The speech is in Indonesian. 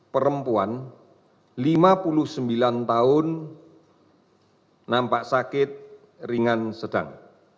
lima puluh dua perempuan lima puluh sembilan tahun nampak sakit ringan sedang